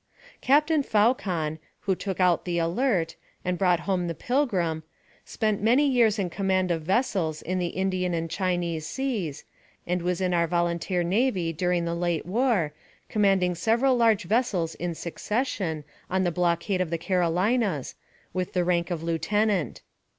Captain Faucon, who took out the Alert, and brought home the Pilgrim, spent many years in command of vessels in the Indian and Chinese seas, and was in our volunteer navy during the late war, commanding several large vessels in succession, on the blockade of the Carolinas, with the rank of lieutenant.